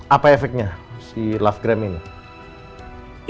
apa efeknya lovegram ini